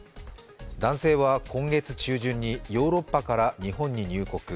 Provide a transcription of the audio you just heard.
男性は今月中旬にヨーロッパから日本に入国。